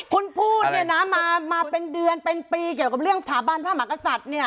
คุณพูดมาเป็นเดือนปีเกี่ยวกับเรื่องสถาบันผ้าหมากษัตริย์เนี่ย